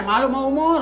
malu mah umur